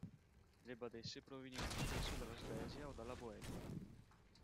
Le badesse provenivano spesso dalla Slesia o dalla Boemia.